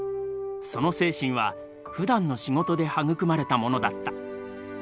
その精神はふだんの仕事で育まれたものだった。